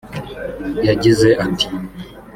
yagize ati